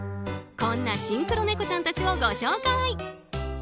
こんなシンクロ猫ちゃんたちをご紹介。